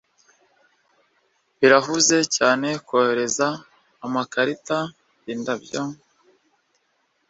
birahuze cyane kohereza amakarita, indabyo,